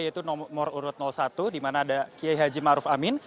yaitu nomor urut satu di mana ada kiai haji maruf amin